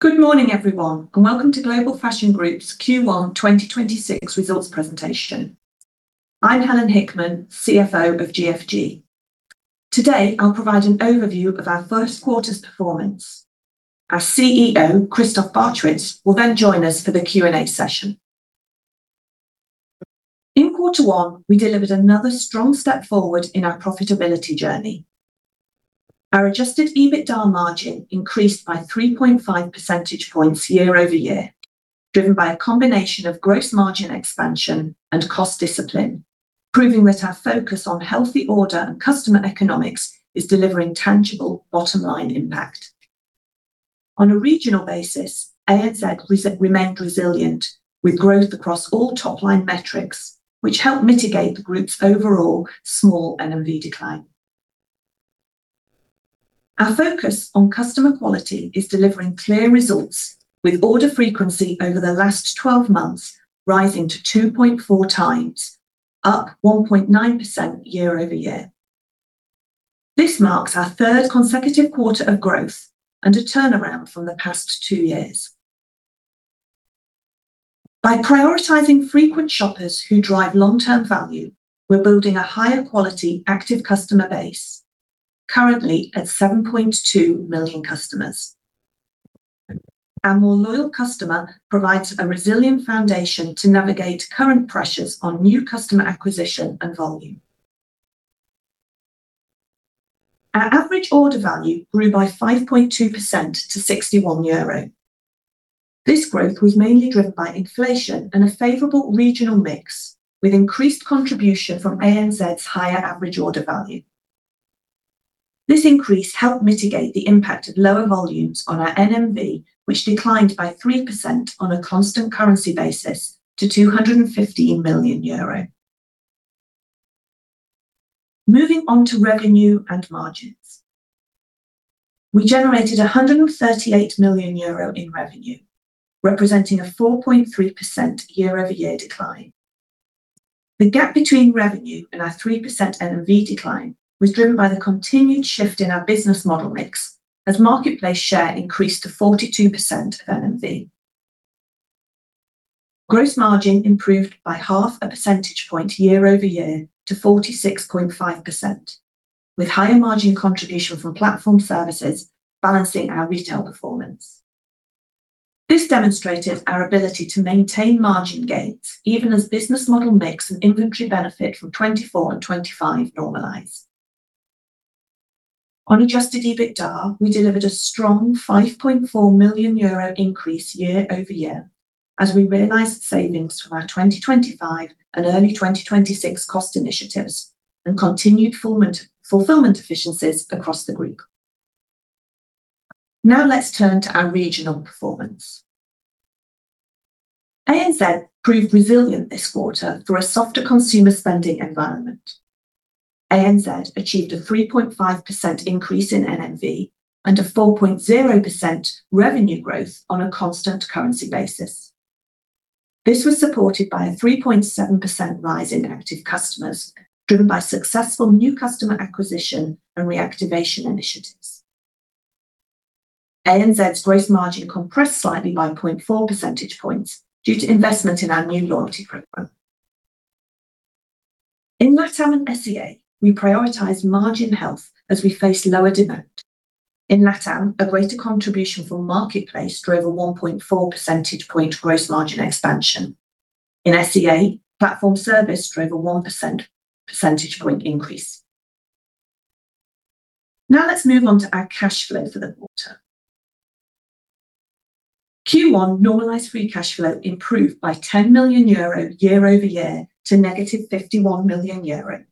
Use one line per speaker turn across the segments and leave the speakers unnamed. Good morning everyone, welcome to Global Fashion Group's Q1 2026 results presentation. I'm Helen Hickman, CFO of GFG. Today, I'll provide an overview of our first quarter's performance. Our CEO, Christoph Barchewitz, will then join us for the Q&A session. In quarter one, we delivered another strong step forward in our profitability journey. Our adjusted EBITDA margin increased by 3.5 percentage points year-over-year, driven by a combination of gross margin expansion and cost discipline, proving that our focus on healthy order and customer economics is delivering tangible bottom line impact. On a regional basis, ANZ remained resilient with growth across all top line metrics, which helped mitigate the group's overall small NMV decline. Our focus on customer quality is delivering clear results with order frequency over the last 12 months rising to 2.4x, up 1.9% year-over-year. This marks our third consecutive quarter of growth and a turnaround from the past two years. By prioritizing frequent shoppers who drive long-term value, we're building a higher quality active customer base currently at 7.2 million customers. Our more loyal customer provides a resilient foundation to navigate current pressures on new customer acquisition and volume. Our Average Order Value grew by 5.2% to 61 euro. This growth was mainly driven by inflation and a favorable regional mix with increased contribution from ANZ's higher Average Order Value. This increase helped mitigate the impact of lower volumes on our NMV, which declined by 3% on a constant currency basis to 250 million euro. Moving on to revenue and margins. We generated 138 million euro in revenue, representing a 4.3% year-over-year decline. The gap between revenue and our 3% NMV decline was driven by the continued shift in our business model mix as Marketplace share increased to 42% NMV. Gross margin improved by half a percentage point year-over-year to 46.5% with higher margin contribution from Platform Services balancing our retail performance. This demonstrated our ability to maintain margin gains even as business model mix and inventory benefit from 2024 and 2025 normalize. On adjusted EBITDA, we delivered a strong 5.4 million euro increase year-over-year as we realized savings from our 2025 and early 2026 cost initiatives and continued fulfillment efficiencies across the group. Let's turn to our regional performance. ANZ proved resilient this quarter for a softer consumer spending environment. ANZ achieved a 3.5% increase in NMV and a 4.0% revenue growth on a constant currency basis. This was supported by a 3.7% rise in active customers, driven by successful new customer acquisition and reactivation initiatives. ANZ's gross margin compressed slightly by 0.4 percentage points due to investment in our new loyalty program. In LATAM and SEA, we prioritized margin health as we face lower demand. In LATAM, a greater contribution from Marketplace drove a 1.4 percentage point gross margin expansion. In SEA, Platform Service drove a 1 percentage point increase. Let's move on to our cash flow for the quarter. Q1 normalized free cash flow improved by 10 million euro year-over-year to negative 51 million euro.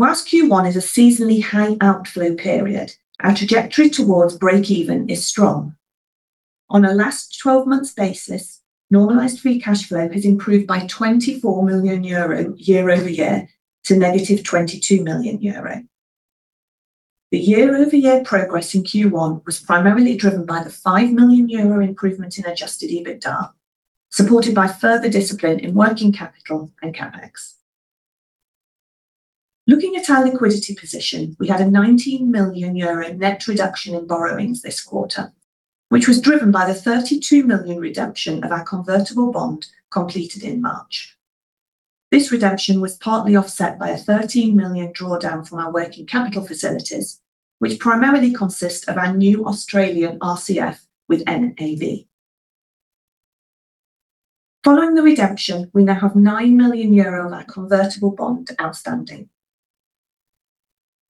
Whilst Q1 is a seasonally high outflow period, our trajectory towards break even is strong. On a last twelve months basis, normalized free cash flow has improved by 24 million euro year-over-year to negative 22 million euro. The year-over-year progress in Q1 was primarily driven by the 5 million euro improvement in adjusted EBITDA, supported by further discipline in working capital and CapEx. Looking at our liquidity position, we had a 19 million euro net reduction in borrowings this quarter, which was driven by the 32 million reduction of our convertible bond completed in March. This reduction was partly offset by a 13 million drawdown from our working capital facilities, which primarily consist of our new Australian RCF with NAB. Following the redemption, we now have 9 million euro in our convertible bond outstanding.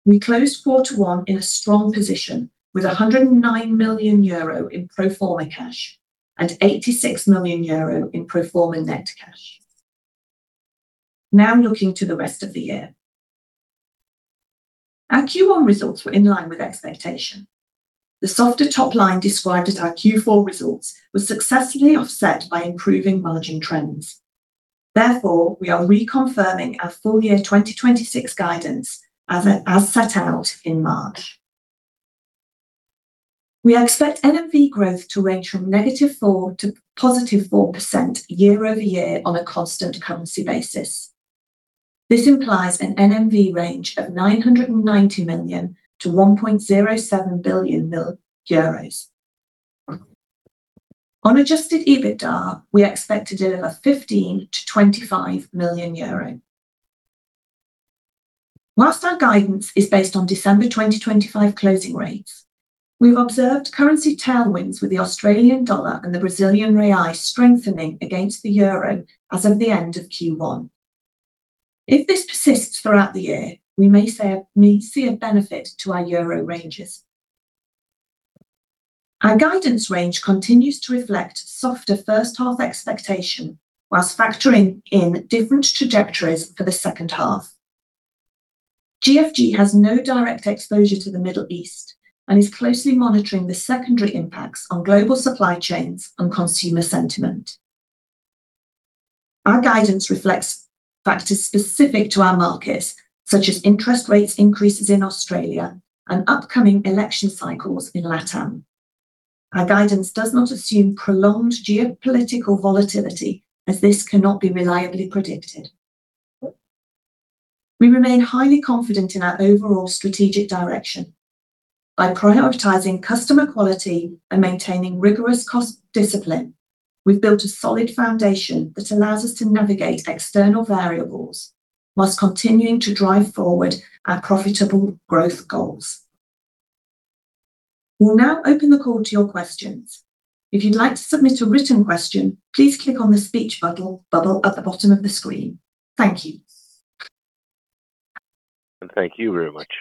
We closed Q1 in a strong position with 109 million euro in pro forma cash and 86 million euro in pro forma net cash. Now looking to the rest of the year. Our Q1 results were in line with expectation. The softer top line described as our Q4 results was successfully offset by improving margin trends. We are reconfirming our full year 2026 guidance as set out in March. We expect NMV growth to range from -4% to +4% year-over-year on a constant currency basis. This implies an NMV range of 990 million-1.07 billion euros. On adjusted EBITDA, we expect to deliver 15 million-25 million euro. Our guidance is based on December 2025 closing rates, we've observed currency tailwinds with the Australian dollar and the Brazilian real strengthening against the EUR as of the end of Q1. If this persists throughout the year, we may see a benefit to our EUR ranges. Our guidance range continues to reflect softer first-half expectation while factoring in different trajectories for the second-half. GFG has no direct exposure to the Middle East and is closely monitoring the secondary impacts on global supply chains and consumer sentiment. Our guidance reflects factors specific to our markets, such as interest rates increases in Australia and upcoming election cycles in LATAM. Our guidance does not assume prolonged geopolitical volatility as this cannot be reliably predicted. We remain highly confident in our overall strategic direction. By prioritizing customer quality and maintaining rigorous cost discipline, we've built a solid foundation that allows us to navigate external variables while continuing to drive forward our profitable growth goals. We'll now open the call to your questions. If you'd like to submit a written question, please click on the speech bubble at the bottom of the screen. Thank you.
Thank you very much.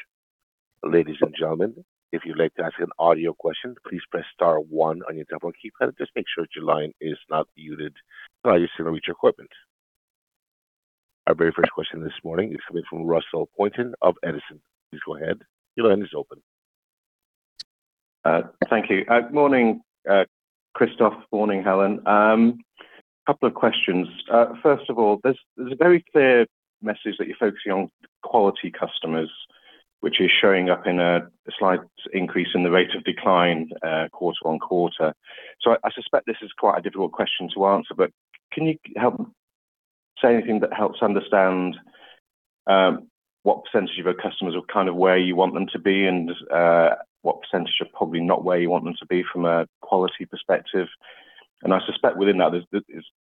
Ladies and gentlemen, if you'd like to ask an audio question, please press star one on your telephone keypad. Just make sure your line is not muted by your speaker equipment. Our very first question this morning is coming from Russell Pointon of Edison. Please go ahead. Your line is open.
Thank you. Morning, Christoph, morning, Helen. Couple of questions. First of all, there's a very clear message that you're focusing on quality customers, which is showing up in a slight increase in the rate of decline, quarter-on-quarter. I suspect this is quite a difficult question to answer, but can you help say anything that helps understand what percentage of your customers are kind of where you want them to be and what percentage are probably not where you want them to be from a quality perspective? I suspect within that,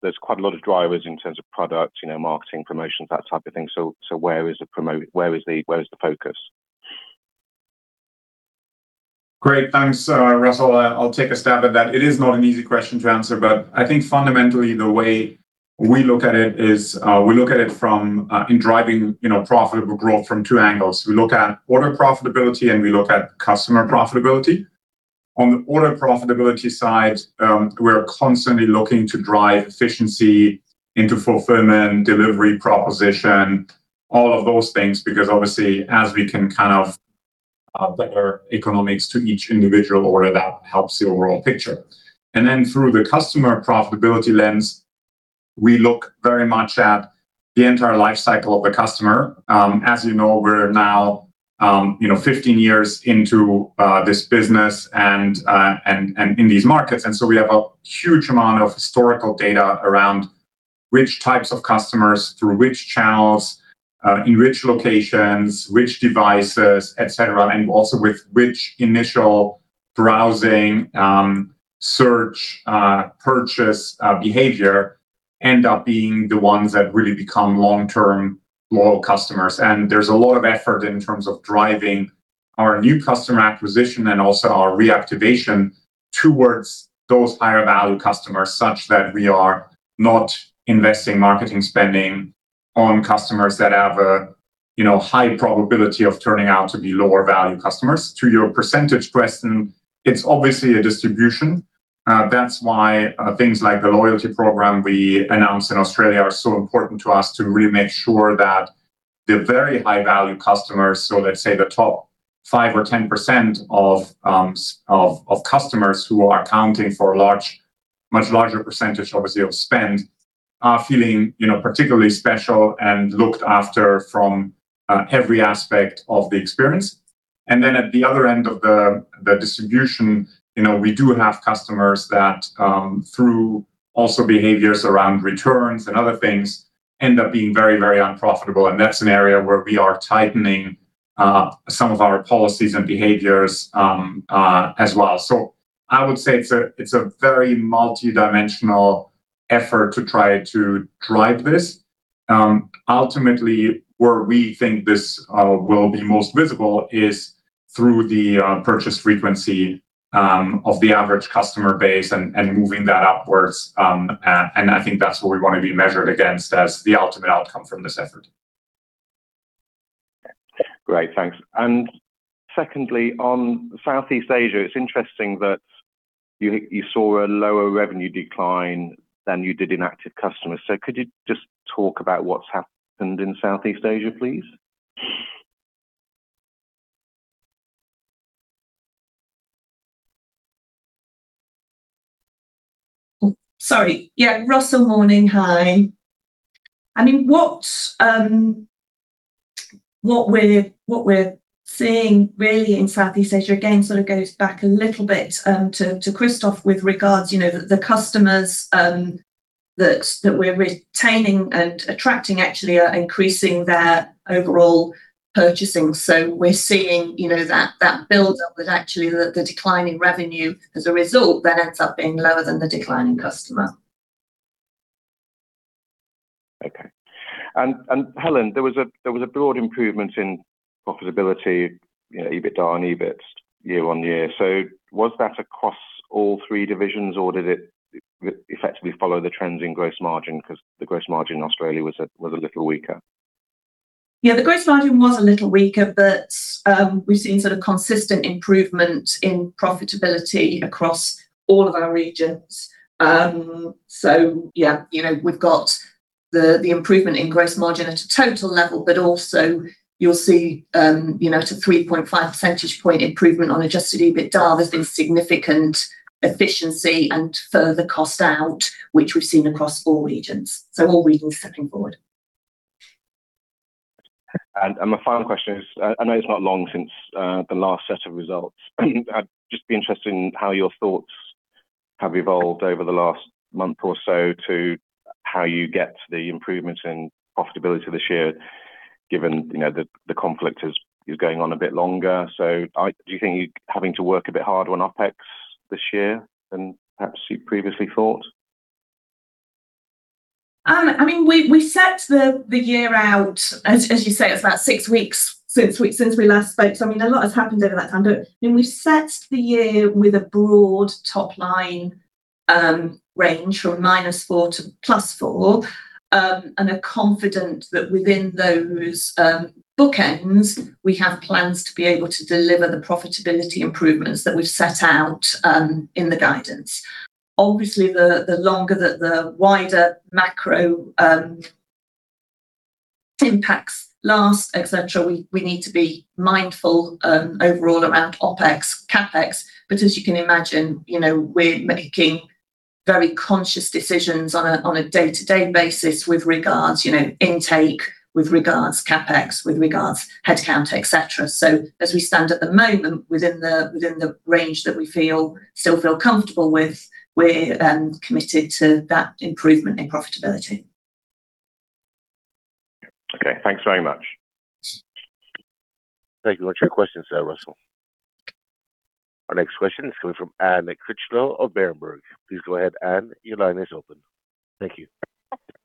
there's quite a lot of drivers in terms of product, you know, marketing, promotions, that type of thing. Where is the focus?
Great. Thanks, Russell. I'll take a stab at that. It is not an easy question to answer, but I think fundamentally the way we look at it is, we look at it from, in driving, you know, profitable growth from two angles. We look at order profitability, and we look at customer profitability. On the order profitability side, we're constantly looking to drive efficiency into fulfillment, delivery proposition, all of those things, because obviously, as we can kind of, better economics to each individual order, that helps the overall picture. Through the customer profitability lens, we look very much at the entire life cycle of the customer. As you know, we're now, you know, 15 years into this business and in these markets. We have a huge amount of historical data around which types of customers, through which channels, in which locations, which devices, et cetera, and also with which initial browsing, search, purchase, behavior end up being the ones that really become long-term loyal customers. There's a lot of effort in terms of driving our new customer acquisition and also our reactivation towards those higher value customers, such that we are not investing marketing spending on customers that have a, you know, high probability of turning out to be lower value customers. To your percentage question, it's obviously a distribution. That's why, things like the loyalty program we announced in Australia are so important to us to really make sure that the very high value customers, so let's say the top 5% or 10% of customers who are accounting for a large, much larger percentage obviously of spend, are feeling, you know, particularly special and looked after from every aspect of the experience. At the other end of the distribution, you know, we do have customers that, through also behaviors around returns and other things end up being very, very unprofitable. That's an area where we are tightening some of our policies and behaviors as well. I would say it's a very multidimensional effort to try to drive this. Ultimately, where we think this will be most visible is through the purchase frequency of the average customer base and moving that upwards. I think that's what we want to be measured against as the ultimate outcome from this effort.
Great. Thanks. Secondly, on Southeast Asia, it's interesting that you saw a lower revenue decline than you did in active customers. Could you just talk about what's happened in Southeast Asia, please?
Sorry. Yeah, Russell, morning. Hi. I mean, what we're seeing really in Southeast Asia, again, sort of goes back a little bit to Christoph with regards, you know, the customers that we're retaining and attracting actually are increasing their overall purchasing. We're seeing, you know, that build up with actually the decline in revenue as a result then ends up being lower than the decline in customer.
Okay. Helen, there was a broad improvement in profitability, you know, EBITDA and EBIT year-on-year. Was that across all three divisions or did it effectively follow the trends in gross margin? The gross margin in Australia was a little weaker.
The gross margin was a little weaker, but we've seen sort of consistent improvement in profitability across all of our regions. You know, we've got the improvement in gross margin at a total level, but also you'll see, you know, it's a 3.5 percentage point improvement on adjusted EBITDA. There's been significant efficiency and further cost out which we've seen across all regions. All regions stepping forward.
My final question is, I know it is not long since the last set of results. I would just be interested in how your thoughts have evolved over the last month or so to how you get the improvements in profitability this year given, you know, the conflict is going on a bit longer. Do you think you are having to work a bit harder on OpEx this year than perhaps you previously thought?
I mean, we set the year out. As you say, it's about 6 weeks since we, since we last spoke, so I mean, a lot has happened over that time. I mean, we set the year with a broad top line range from -4% to +4%. And we are confident that within those bookends we have plans to be able to deliver the profitability improvements that we've set out in the guidance. Obviously, the longer that the wider macro impacts last, et cetera, we need to be mindful overall around OpEx, CapEx. As you can imagine, you know, we're making very conscious decisions on a day-to-day basis with regards, you know, intake, with regards CapEx, with regards head count, et cetera. As we stand at the moment within the range that still feel comfortable with, we're committed to that improvement in profitability.
Okay. Thanks very much.
Thank you very much for your question, Russell. Our next question is coming from Anne Critchlow of Berenberg. Please go ahead, Anne. Your line is open. Thank you.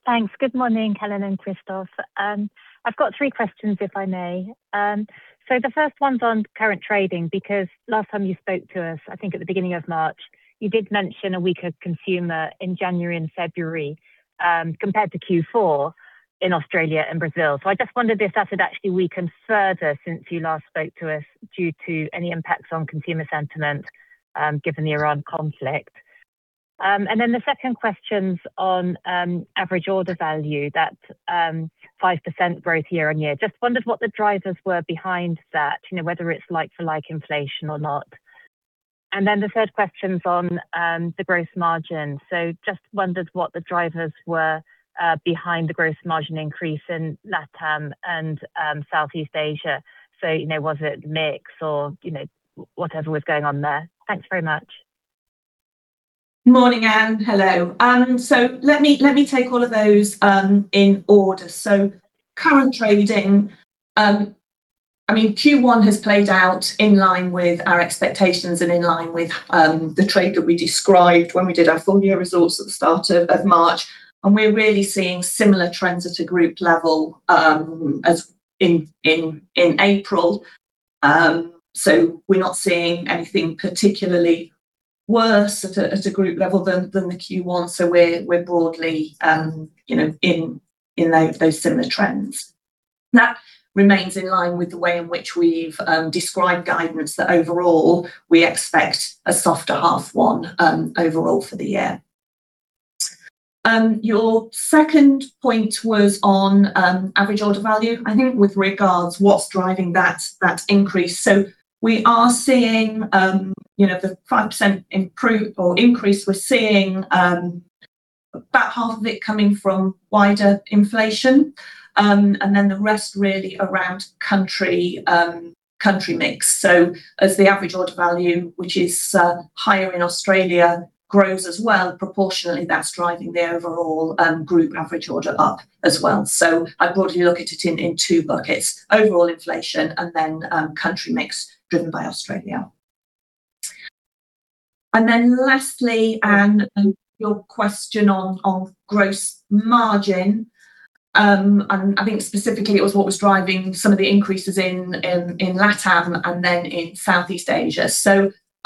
Thanks. Good morning, Helen and Christoph. I've got three questions, if I may. The first one's on current trading because last time you spoke to us, I think at the beginning of March, you did mention a weaker consumer in January and February, compared to Q4 in Australia and Brazil. I just wondered if that had actually weakened further since you last spoke to us due to any impacts on consumer sentiment, given the Iran conflict. The second question's on Average Order Value, that 5% growth year-on-year. Just wondered what the drivers were behind that, you know, whether it's like for like inflation or not. The third question's on the gross margin. Just wondered what the drivers were behind the gross margin increase in LATAM and Southeast Asia. You know, was it mix or, you know, whatever was going on there. Thanks very much.
Morning, Anne. Hello. Let me take all of those in order. Current trading, I mean, Q1 has played out in line with our expectations and in line with the trade that we described when we did our full year results at the start of March. We're really seeing similar trends at a group level as in April. We're not seeing anything particularly worse at a group level than the Q1. We're broadly, you know, in those similar trends. That remains in line with the way in which we've described guidance that overall we expect a softer half one overall for the year. Your second point was on Average Order Value, I think with regards what's driving that increase. We are seeing, you know, the 5% increase, we're seeing about half of it coming from wider inflation. The rest really around country mix. As the Average Order Value, which is higher in Australia, grows as well, proportionately that's driving the overall group Average Order up as well. I broadly look at it in two buckets, overall inflation and then country mix driven by Australia. Lastly, Anne, your question on gross margin. I think specifically it was what was driving some of the increases in LATAM and then in Southeast Asia.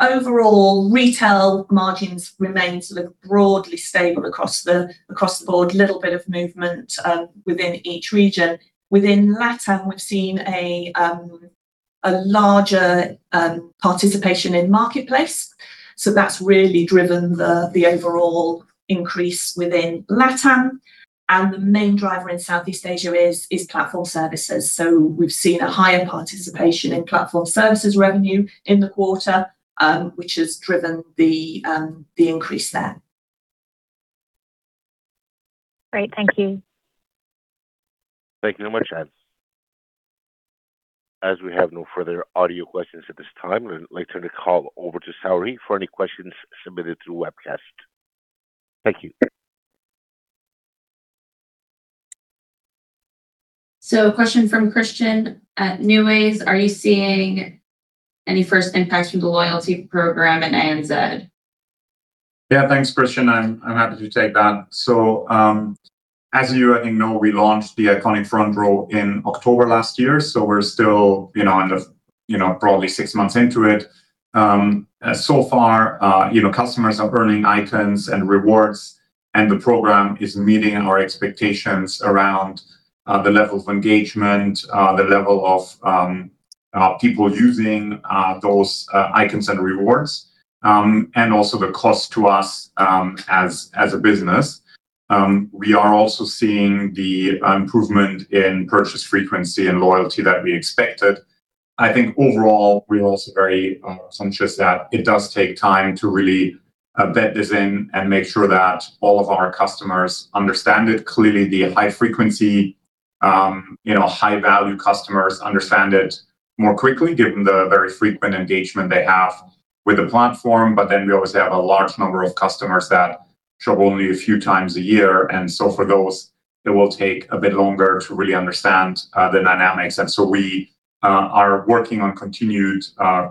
Overall, retail margins remain sort of broadly stable across the, across the board, little bit of movement within each region. Within LATAM, we've seen a larger participation in Marketplace, so that's really driven the overall increase within LATAM. The main driver in Southeast Asia is Platform Services. We've seen a higher participation in Platform Services revenue in the quarter, which has driven the increase there.
Great. Thank you.
Thank you very much, Anne. As we have no further audio questions at this time, I'd like turn the call over to Sari for any questions submitted through webcast. Thank you.
A question from Christian at Numis: Are you seeing any first impact from the loyalty program at ANZ?
Yeah. Thanks, Christian. I'm happy to take that. As you already know, we launched THE ICONIC Front Row in October last year, we're still, you know, kind of, you know, probably six months into it. So far, you know, customers are earning items and rewards, and the program is meeting our expectations around the level of engagement, the level of people using those items and rewards, and also the cost to us as a business. We are also seeing the improvement in purchase frequency and loyalty that we expected. I think overall, we're also very conscious that it does take time to really embed this in and make sure that all of our customers understand it. Clearly, the high frequency, you know, high value customers understand it more quickly given the very frequent engagement they have with the platform. We also have a large number of customers that shop only a few times a year, for those, it will take a bit longer to really understand the dynamics. We are working on continued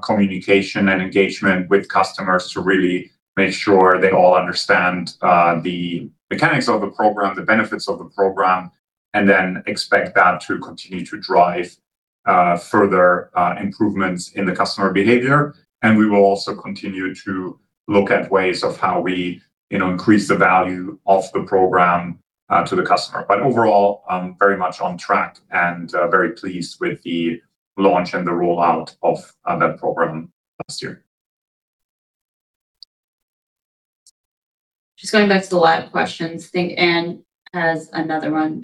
communication and engagement with customers to really make sure they all understand the mechanics of the program, the benefits of the program, expect that to continue to drive further improvements in the customer behavior. We will also continue to look at ways of how we, you know, increase the value of the program to the customer. Overall, very much on track and very pleased with the launch and the rollout of that program last year.
Just going back to the live questions. I think Anne has another one.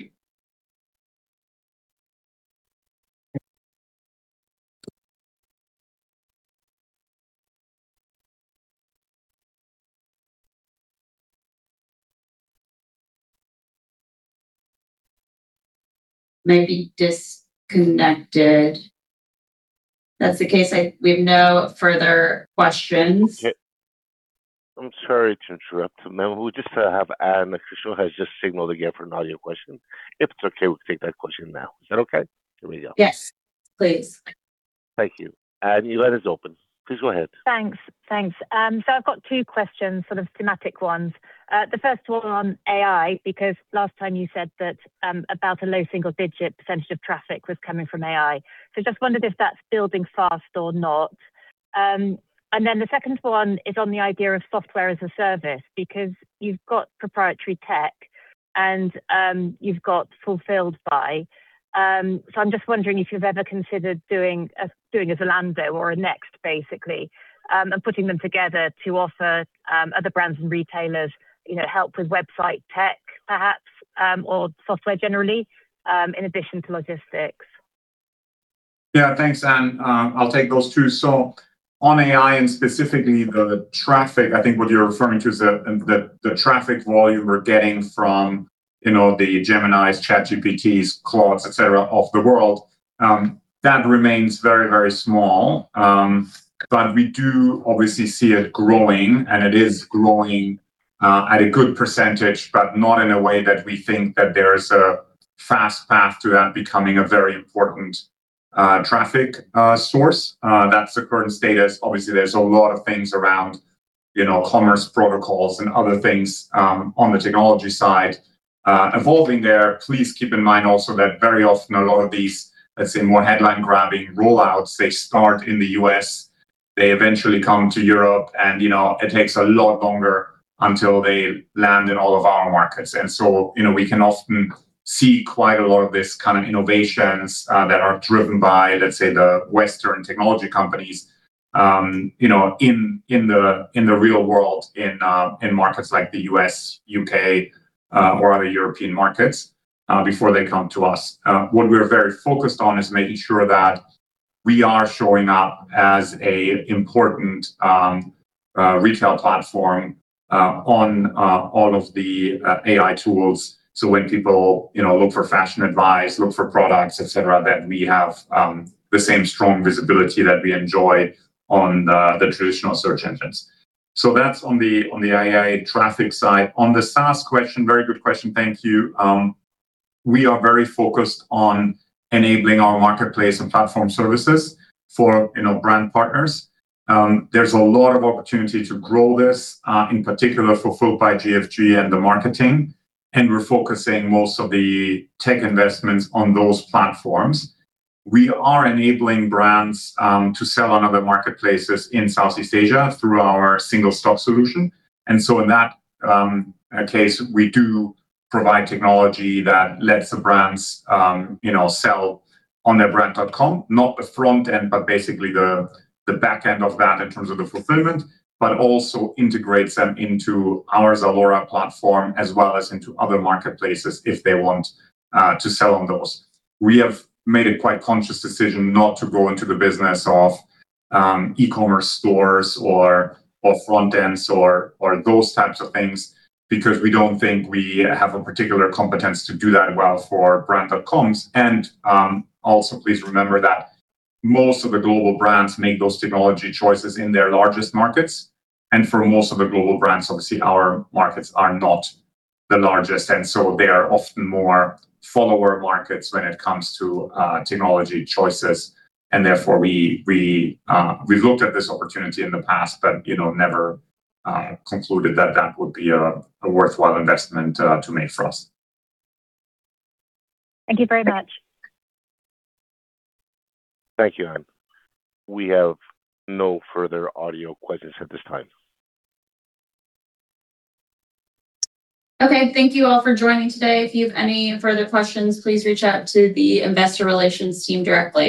Might be disconnected. If that's the case, we have no further questions.
Okay. I'm sorry to interrupt, maybe we just have Anne. Christian has just signaled again for an audio question. If it's okay, we'll take that question now. Is that okay? Here we go.
Yes, please.
Thank you. Anne, your line is open. Please go ahead.
Thanks. Thanks. I've got two questions, sort of thematic ones. The first one on AI, because last time you said that about a low single-digit % of traffic was coming from AI. Just wondered if that's building fast or not. The second one is on the idea of SaaS, because you've got proprietary tech and you've got Fulfilled by GFG. I'm just wondering if you've ever considered doing a Zalando or a Next, basically, and putting them together to offer other brands and retailers, you know, help with website tech perhaps, or software generally, in addition to logistics.
Thanks, Anne. I'll take those two. On AI and specifically the traffic, I think what you're referring to is the traffic volume we're getting from, you know, the Gemini, ChatGPT, Claude, et cetera, of the world. That remains very, very small. We do obviously see it growing, and it is growing at a good percentage, but not in a way that we think that there is a fast path to that becoming a very important traffic source. That's the current status. Obviously, there's a lot of things around, you know, commerce protocols and other things on the technology side evolving there. Please keep in mind also that very often a lot of these, let's say, more headline-grabbing rollouts, they start in the U.S., they eventually come to Europe, you know, it takes a lot longer until they land in all of our markets. You know, we can often see quite a lot of this kind of innovations that are driven by, let's say, the Western technology companies, you know, in the real world, in markets like the U.S., U.K., or other European markets before they come to us. What we're very focused on is making sure that we are showing up as a important retail platform on all of the AI tools. When people, you know, look for fashion advice, look for products, et cetera, that we have the same strong visibility that we enjoy on the traditional search engines. That's on the AI traffic side. On the SaaS question, very good question. Thank you. We are very focused on enabling our Marketplace and Platform Services for, you know, brand partners. There's a lot of opportunity to grow this in particular Fulfilled by GFG and the marketing, and we're focusing most of the tech investments on those platforms. We are enabling brands to sell on other marketplaces in Southeast Asia through our single-stop solution. In that case, we do provide technology that lets the brands, you know, sell on their brand.com, not the front end, but basically the back end of that in terms of the fulfillment, but also integrates them into our ZALORA platform as well as into other marketplaces if they want to sell on those. We have made a quite conscious decision not to go into the business of e-commerce stores or front ends or those types of things because we don't think we have a particular competence to do that well for brand.coms. Also please remember that most of the global brands make those technology choices in their largest markets. For most of the global brands, obviously, our markets are not the largest, they are often more follower markets when it comes to technology choices. Therefore we've looked at this opportunity in the past, but, you know, never concluded that that would be a worthwhile investment to make for us.
Thank you very much.
Thank you, Anne. We have no further audio questions at this time.
Okay. Thank you all for joining today. If you have any further questions, please reach out to the investor relations team directly.